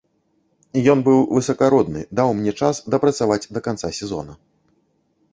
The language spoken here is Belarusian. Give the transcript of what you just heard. Ён быў высакародны, даў мне час дапрацаваць да канца сезона.